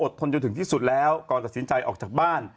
ทนจนถึงที่สุดแล้วก่อนตัดสินใจออกจากบ้าน